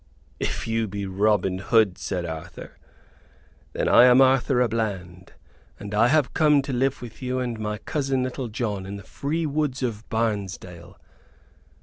"If you be Robin Hood," said Arthur, "then I am Arthur à Bland; and I have come to live with you and my cousin Little John, in the free woods of Barnesdale.